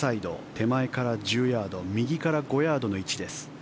手前から１０ヤード右から５ヤードの位置です。